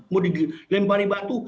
mau dilempari batu